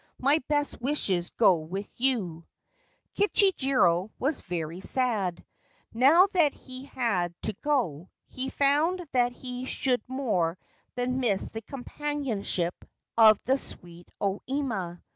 My best wishes go with you/ Kichijiro was very sad. Now that he had to go, he found that he should more than miss the companionship of the sweet O Ima.